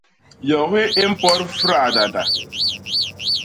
Yogi i mpot fradada.